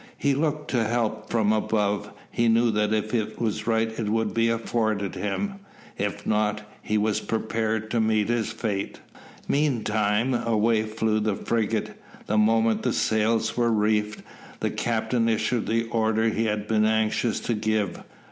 He looked to help from above. He knew if it was right it would be afforded him. If not, he was prepared to meet his fate. Meantime away flew the frigate. The moment the sails were reefed, the captain issued the orders he had been anxious to give.